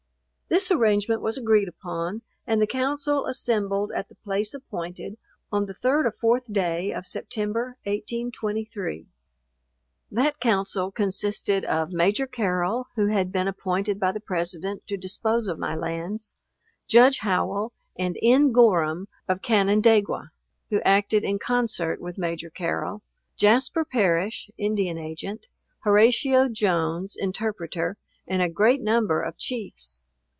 This arrangement was agreed upon, and the council assembled at the place appointed, on the 3d or 4th day of September, 1823. That council consisted of Major Carrol, who had been appointed by the President to dispose of my lands, Judge Howell and N. Gorham, of Canandaigua, (who acted in concert with Maj. Carrol,) Jasper Parrish, Indian Agent, Horatio Jones, Interpreter, and a great number of Chiefs.